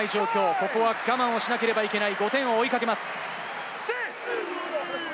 ここは我慢をしなければいけません、５点を追いかけます。